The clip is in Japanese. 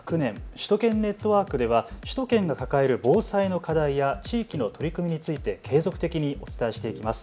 首都圏ネットワークでは首都圏が抱える防災の課題や地域の取り組みについて継続的にお伝えしていきます。